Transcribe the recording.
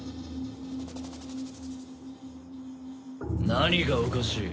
何がおかしい？